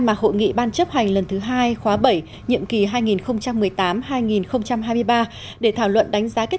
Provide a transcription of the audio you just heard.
mà hội nghị ban chấp hành lần thứ hai khóa bảy nhiệm kỳ hai nghìn một mươi tám hai nghìn hai mươi ba để thảo luận đánh giá kết